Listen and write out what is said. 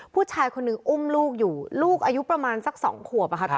ผู้ชายคนหนึ่งอุ้มลูกอยู่ลูกอายุประมาณสักสองขวบอะค่ะ